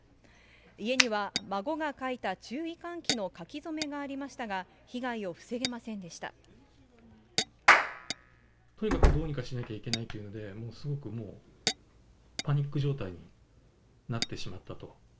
家には孫が書いた注意喚起の書き初めがありましたが、被害を防げとにかくどうにかしなきゃいけないというので、もうすごく、もう、パニック状態になってしまったと。